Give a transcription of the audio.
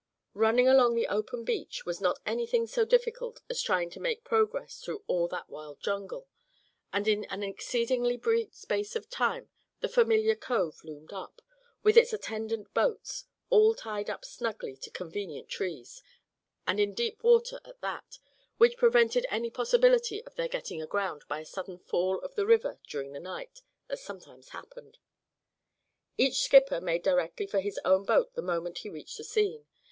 Running along the open beach was not anything so difficult as trying to make progress through all that wild jungle; and in an exceedingly brief space of time the familiar cove loomed up, with its attendant boats, all tied up snugly to convenient trees, and in deep water at that, which prevented any possibility of their getting aground by a sudden fall of the river during the night, as sometimes happened. Each skipper made directly for his own boat the moment he reached the scene.